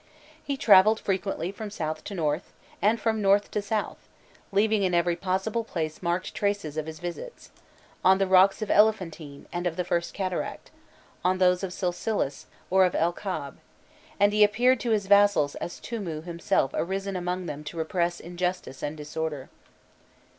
He travelled frequently from south to north, and from north to south, leaving in every possible place marked traces of his visits on the rocks of Elephantine and of the first cataract, on those of Silsilis or of El Kab, and he appeared to his vassals as Tûmû himself arisen among them to repress injustice and disorder.